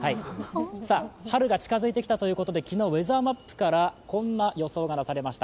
春が近づいてきたということで、昨日、ウェザーマップからこんな予想が出されました。